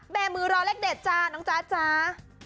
มือรอเลขเด็ดจ้าน้องจ๊ะจ๊ะ